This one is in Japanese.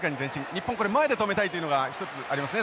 日本前で止めたいというのが一つありますね。